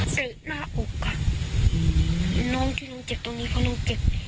เสร็จหน้าอกอ่ะน้องที่น้องเจ็บตรงนี้ก็น้องเจ็บ